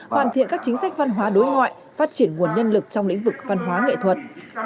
hoàn thiện các chính sách văn hóa đối ngoại phát triển nguồn nhân lực trong lĩnh vực văn hóa nghệ thuật